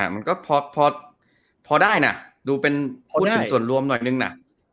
มันก็พอได้นะดูเป็นพูดถึงส่วนรวมหน่อยนึงนะ